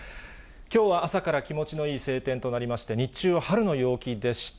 きょうは朝から気持ちのいい晴天となりまして、日中は春の陽気でした。